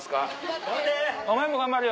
お前も頑張れよ。